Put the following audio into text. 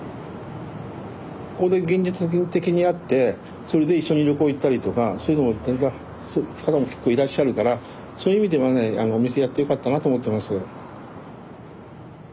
ここで現実的に会ってそれで一緒に旅行行ったりとかそういう方も結構いらっしゃるからそういう意味ではねお店やってよかったなと思ってます。